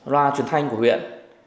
loa truyền thanh của huyện